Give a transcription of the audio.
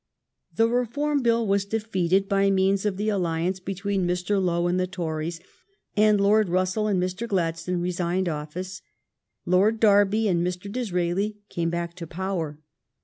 The Re form Bill was defeated by means of the alliance between Mr. Lowe and the Tories; and Lord Russell and Mr. Gladstone resigned office. Lord Derby and Mr. Disraeli came back to power.